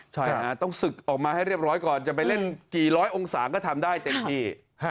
ใช่ต้องศึกออกมาให้เรียบร้อยก่อนจะไปเล่นกี่ร้อยองศาก็ทำได้เต็มที่